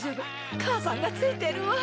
母さんがついてるわ。